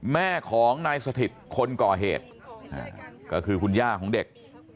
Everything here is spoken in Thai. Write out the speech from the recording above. แม่ของนายสถิตคนก่อเหตุก็คือคุณย่าของเด็ก